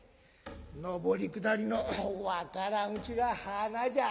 上り下りの分からんうちが花じゃ」。